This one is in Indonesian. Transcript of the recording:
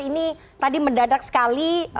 ini tadi mendadak sekali